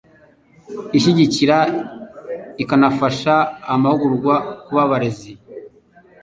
ishyigikira ikanafasha amahugurwa ku ba barezi